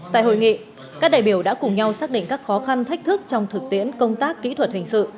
tại hội nghị các đại biểu đã cùng nhau xác định các khó khăn thách thức trong thực tiễn công tác kỹ thuật hình sự